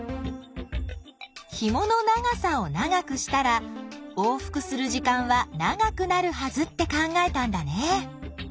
ひもの長さを長くしたら往復する時間は長くなるはずって考えたんだね。